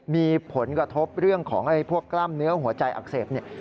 มีผลกระทบเรื่องของพวกกล้ามเนื้อหัวใจอักเสบเนี่ย